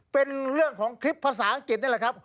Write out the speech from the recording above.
เป็นเรื่องของคลิปภาษาอังกฤษนี่แหละครับ